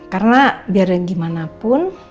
karena biar bagaimanapun